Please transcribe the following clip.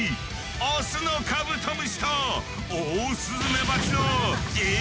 オスのカブトムシとオオスズメバチの一騎打ちだ！